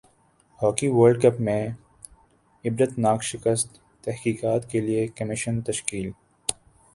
hockey world cup میں عبرتناک شکست تحقیقات کیلئے کمیشن تشکیل